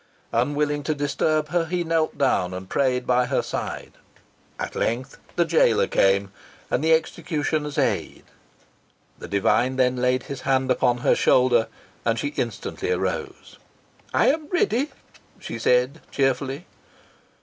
Unwilling to disturb her, he knelt down and prayed by her side. At length the jailer came, and the executioner's aids. The divine then laid his hand upon her shoulder, and she instantly arose. "I am ready," she said, cheerfully.